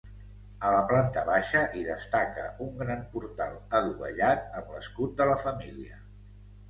A la planta baixa hi destaca un gran portal adovellat amb l'escut de la família.